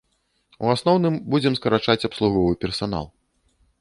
У асноўным будзем скарачаць абслуговы персанал.